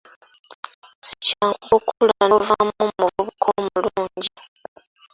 Si kyangu kukula novaamu omuvubuka omulungi.